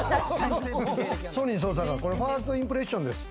ソニン捜査官、ファーストインプレッションです。